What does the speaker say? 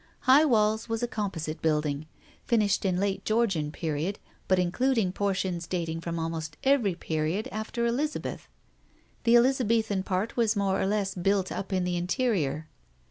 High Walls was a composite building, finished in late Georgian period, but including portions dating from almost every period after Elizabeth. The Elizabethan part was more or less built up in the interior.